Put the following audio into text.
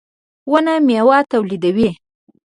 • ونه مېوه تولیدوي.